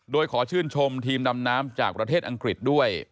โดยขอชื่นชมทีมดำน้ำจากประเทศอังกฤษด้วย